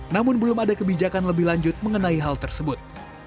namun belum ada kebijakan lebih lanjut mengenai hal tersebut